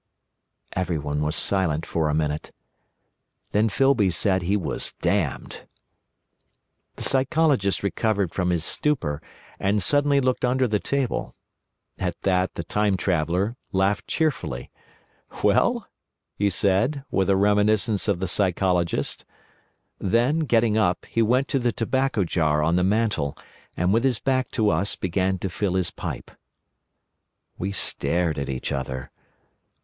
Everyone was silent for a minute. Then Filby said he was damned. The Psychologist recovered from his stupor, and suddenly looked under the table. At that the Time Traveller laughed cheerfully. "Well?" he said, with a reminiscence of the Psychologist. Then, getting up, he went to the tobacco jar on the mantel, and with his back to us began to fill his pipe. We stared at each other.